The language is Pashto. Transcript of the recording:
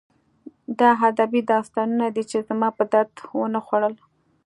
دا ادبي داستانونه دي چې زما په درد ونه خوړل